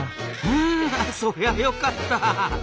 そりゃよかった。